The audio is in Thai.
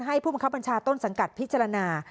ผู้บังคับบัญชาต้นสังกัดพิจารณา